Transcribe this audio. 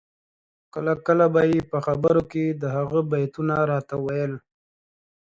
کله کله به یې په خبرو کي د هغه بیتونه راته ویل